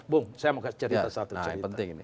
bung saya mau cerita satu cerita